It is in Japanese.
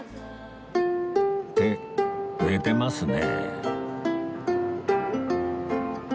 って寝てますね